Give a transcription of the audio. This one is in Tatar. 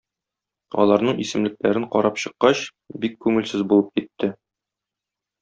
Аларның исемлекләрен карап чыккач, бик күңелсез булып китте.